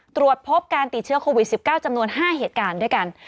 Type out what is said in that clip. ตรวจพบการติดเชื้อโควิด๑๙จำนวน๕เหตุการณ์ด้วยกัน